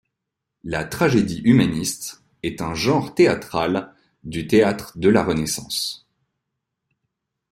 La tragédie humaniste est un genre théâtral du théâtre de la Renaissance.